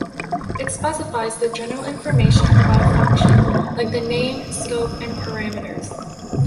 It specifies the general information about a function like the name, scope and parameters.